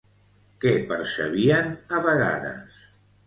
Què percebien a vegades?